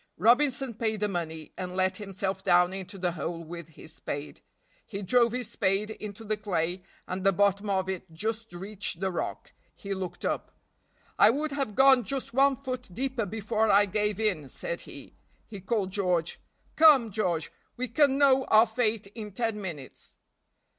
Robinson paid the money, and let himself down into the hole with his spade. He drove his spade into the clay, and the bottom of it just reached the rock; he looked up. "I would have gone just one foot deeper before I gave in," said he; he called George. "Come, George, we can know our fate in ten minutes."